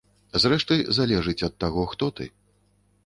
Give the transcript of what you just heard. Зрэшты, залежыць ад таго, хто ты.